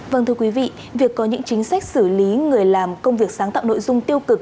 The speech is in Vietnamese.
vâng thưa quý vị việc có những chính sách xử lý người làm công việc sáng tạo nội dung tiêu cực